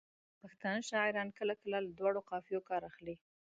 پښتانه شاعران کله کله له دوو قافیو کار اخلي.